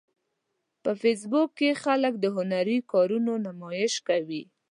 په فېسبوک کې خلک د هنري کارونو نمایش کوي